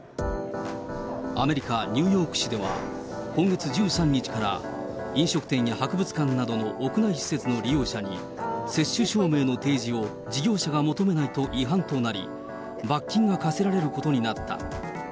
アメリカ・ニューヨーク市では、今月１３日から飲食店や博物館などの屋内施設の利用者に、接種証明の提示を事業者が求めないと違反となり、罰金が科せられることになった。